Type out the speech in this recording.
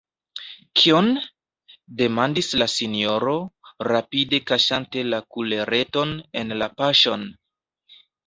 « Kion?», demandis la sinjoro, rapide kaŝante la kulereton en la poŝon.